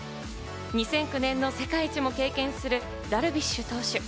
２００９年の世界一も経験するダルビッシュ投手。